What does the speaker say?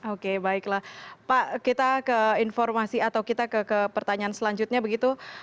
oke baiklah pak kita ke informasi atau kita ke pertanyaan selanjutnya begitu